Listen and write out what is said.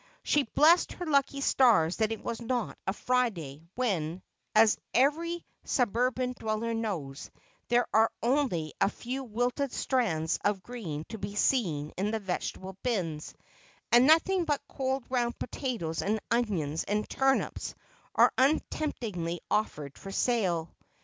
She blessed her lucky stars that it was not a Friday, when, as every suburban dweller knows, there are only a few wilted strands of green to be seen in the vegetable bins, and nothing but cold round potatoes and onions and turnips are untemptingly offered for sale.